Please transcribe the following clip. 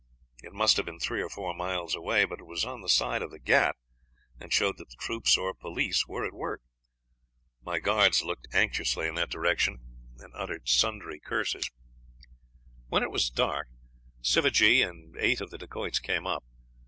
It must have been three or four miles away, but it was on the side of the Ghaut, and showed that the troops or police were at work. My guards looked anxiously in that direction, and uttered sundry curses. When it was dusk, Sivajee and eight of the Dacoits came up.